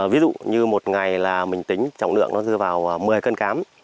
ví dụ như một ngày là mình tính trọng lượng nó dư vào một mươi cân cám